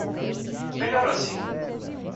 Melhor assim.